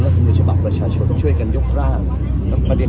รัฐมนุษย์ฉบับประชาชนช่วยกันยกร่างแล้วก็ประเด็น